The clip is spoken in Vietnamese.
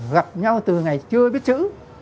gặp nhau từ ngày chưa biết chữ